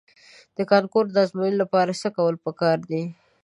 د کانکور د ازموینې لپاره څه کول په کار دي؟